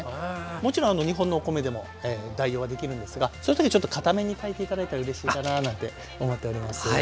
もちろん日本のお米でも代用はできるんですがそういう時はちょっとかために炊いて頂いたらうれしいかななんて思っております。